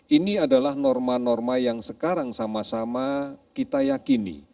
ini adalah norma norma yang sekarang sama sama kita yakini